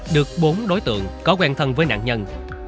được bốn đối tượng có quen thân với nạn nhân